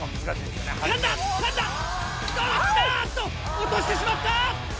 落としてしまった！